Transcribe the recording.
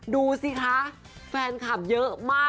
ดูสิคะแฟนคลับเยอะมาก